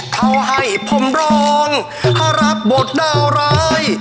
เขาให้ผมรองเขารับบทดาวร้าย